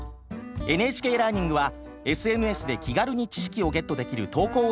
「ＮＨＫラーニング」はＳＮＳで気軽に知識をゲットできる投稿をしています。